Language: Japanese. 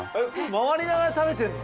回りながら食べてんの？